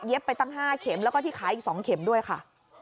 ไปตั้ง๕เข็มแล้วก็ที่ขาอีก๒เข็มด้วยค่ะ